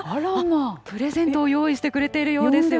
プレゼントを用意してくれてるようですよ。